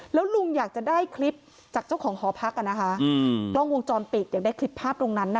แล้วลุงอยากจะได้คลิปจากเจ้าของหอพักกล้องวงจรปิดอยากได้คลิปภาพตรงนั้นน่ะ